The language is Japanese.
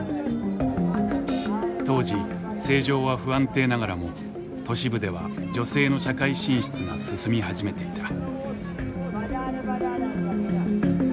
当時政情は不安定ながらも都市部では女性の社会進出が進み始めていた。